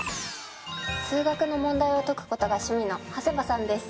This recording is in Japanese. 数学の問題を解く事が趣味の長谷場さんです。